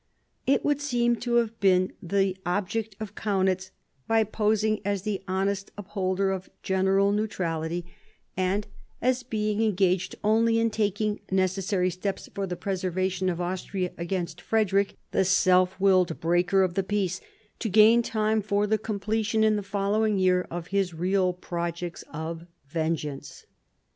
It would seem to have been the object of Kaunitz, by posing as the honest upholder of general neutrality, and as being 1756 7 CHANGE OF ALLIANCES 127 engaged only in taking necessary steps for the preserva tion of Austria against Frederick the self willed breaker of the peace, to gain time for the completion in the following year of his real projects of vengeance.